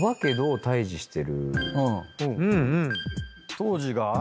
当時が。